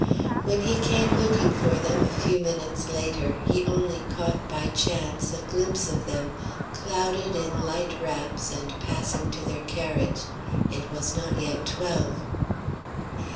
When he came looking for them a few minutes later, he only caught, by chance, a glimpse of them, clouded in light wraps and passing to their carriage. It was not yet twelve.